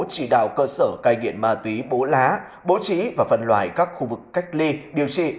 chỉ đạo cơ sở cai nghiện ma túy bố lá bố trí và phân loại các khu vực cách ly điều trị